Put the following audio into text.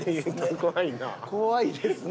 怖いですね。